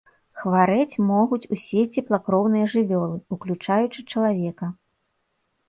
Хварэць могуць усе цеплакроўныя жывёлы, уключаючы чалавека.